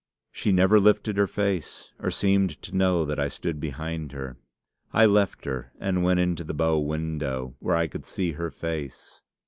"She never lifted her face, or seemed to know that I stood behind her. I left her, and went into the bow window, where I could see her face.